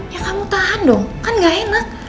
ya kamu tahan dong kan gak enak